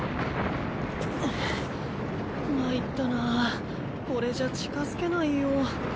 参ったなこれじゃ近づけないよ。